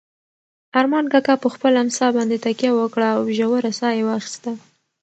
ارمان کاکا په خپله امسا باندې تکیه وکړه او ژوره ساه یې واخیسته.